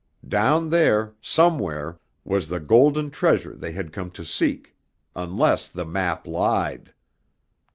Down there somewhere was the golden treasure they had come to seek, unless the map lied!